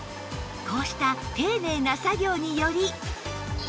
こうした丁寧な作業により